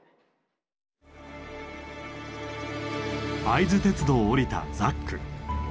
会津鉄道を降りたザック。